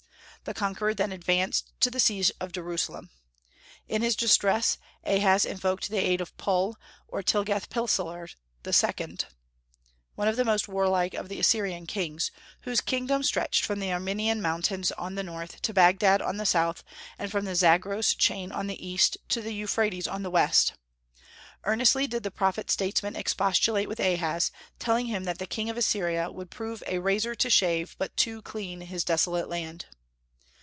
The conqueror then advanced to the siege of Jerusalem. In his distress Ahaz invoked the aid of Pul, or Tiglath pileser II., one of the most warlike of the Assyrian kings, whose kingdom stretched from the Armenian mountains on the north to Bagdad on the south, and from the Zagros chain on the east to the Euphrates on the west. Earnestly did the prophet statesman expostulate with Ahaz, telling him that the king of Assyria would prove "a razor to shave but too clean his desolate land."